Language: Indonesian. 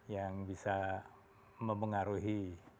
yang bisa mempengaruhi